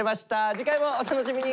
次回もお楽しみに。